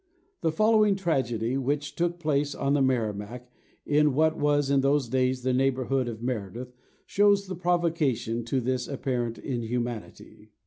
The following tragedy, which took place on the Merrimack, in what was, in those days, the neighbourhood of Meredith, shows the provocation to this apparent inhumanity.